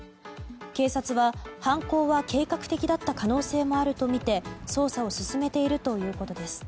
警察は犯行は計画的だった可能性もあるとみて捜査を進めているということです。